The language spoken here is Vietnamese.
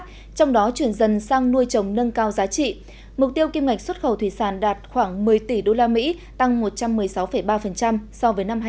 trong đó chuyển dần sang nuôi trồng nâng cao giá trị mục tiêu kim ngạch xuất khẩu thủy sản đạt khoảng một mươi tỷ usd tăng một trăm một mươi sáu ba so với năm hai nghìn một mươi tám